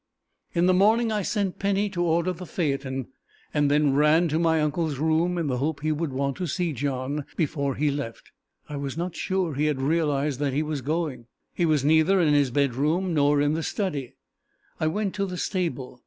In the morning I sent Penny to order the phaeton, and then ran to my uncle's room, in the hope he would want to see John before he left: I was not sure he had realized that he was going. He was neither in his bed room nor in the study. I went to the stable.